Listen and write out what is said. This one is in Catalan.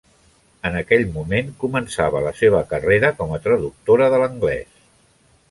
En aquell moment, començava la seva carrera com a traductora de l'anglès.